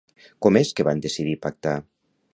Com és que van decidir pactar?